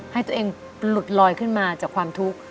ให้ตัวเองหลุดลอยขึ้นมาจากความทุกข์